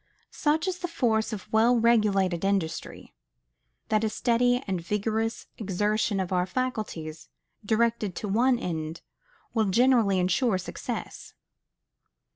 Such is the force of well regulated industry, that a steady and vigorous exertion of our faculties, directed to one end, will generally insure success.